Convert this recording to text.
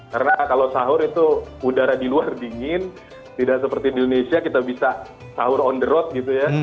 karena kalau sahur itu udara di luar dingin tidak seperti di indonesia kita bisa sahur on the road gitu ya